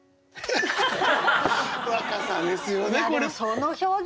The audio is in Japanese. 若さですよねこれ。